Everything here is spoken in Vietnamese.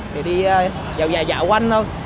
thì đi dạo dài dạo quanh thôi